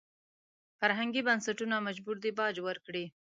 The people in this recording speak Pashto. فرهنګي بنسټونه مجبور دي باج ورکړي.